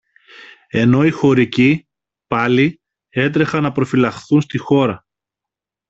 ενώ οι χωρικοί, πάλι, έτρεχαν να προφυλαχθούν στη χώρα.